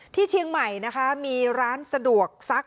ที่เชียงใหม่นะคะมีร้านสะดวกซัก